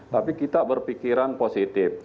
tapi kita berpikiran positif